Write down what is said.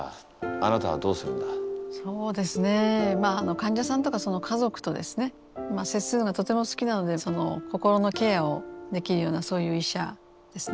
患者さんとかその家族とですね接するのがとても好きなのでその心のケアをできるようなそういう医者ですね。